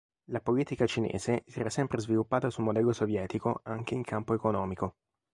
La politica cinese si era sempre sviluppata su modello sovietico anche in campo economico.